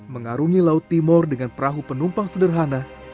mengarungi laut timur dengan perahu penumpang sederhana